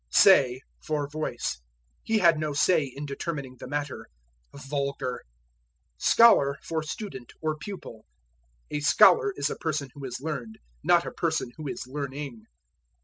Say for Voice. "He had no say in determining the matter." Vulgar. Scholar for Student, or Pupil. A scholar is a person who is learned, not a person who is learning.